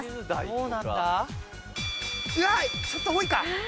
うわっちょっと多いか。